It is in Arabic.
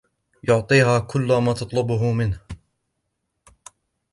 يعطيها كل ما تطلبه منه.